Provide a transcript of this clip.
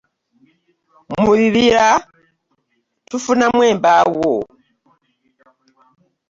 Mu bibira tufunamu embaawo.